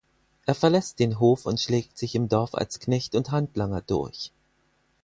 Er verlässt den Hof und schlägt sich im Dorf als Knecht und Handlanger durch.